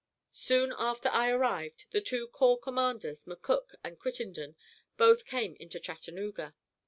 Soon after I arrived the two corps commanders, McCook and Crittenden, both came into Chattanooga.